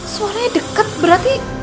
suaranya deket berarti